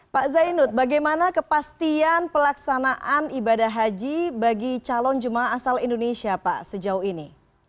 pak zainud bagaimana kepastian pelaksanaan ibadah haji bagi calon jemaah asal indonesia pak sejauh ini